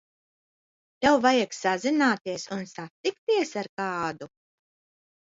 Tev vajag sazināties un satikties ar kādu?